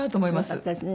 よかったですね。